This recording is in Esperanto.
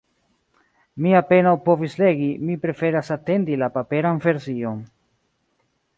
Mi apenaŭ povis legi, mi preferas atendi la paperan version.